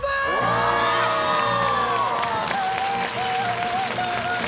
ありがとうございます。